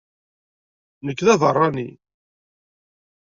Nekk d abeṛṛani.